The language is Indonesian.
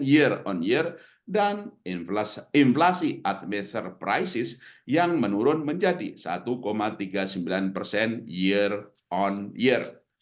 year on year dan inflasi admister prices yang menurun menjadi satu tiga puluh sembilan persen year on years